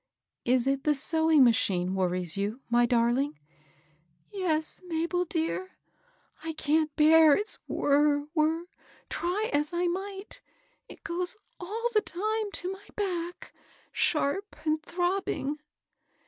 " Is it the sewing machine worries you, my dar ling?" " Yes, Mabel dear, I can't bear its whir, whir, try as I may. It goes all the time to my back, sharp and throbbing."